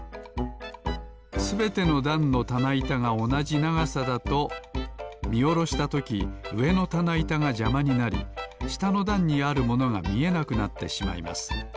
すべてのだんのたないたがおなじながさだとみおろしたときうえのたないたがじゃまになりしたのだんにあるものがみえなくなってしまいます